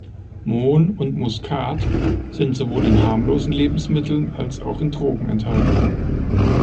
Mohn und Muskat sind sowohl in harmlosen Lebensmitteln, als auch in Drogen enthalten.